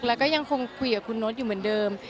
แล้วก็ยังคงคุยกับคุณโน๊ตอยู่เหมือนเดิม